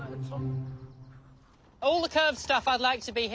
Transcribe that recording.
そう。